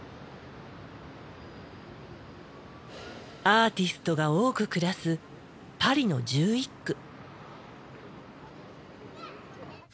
アーティストが多く暮らすパリの１１区。